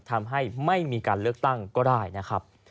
ทำให้ไม่มีการเลือกตั้งก็ได้นะครับ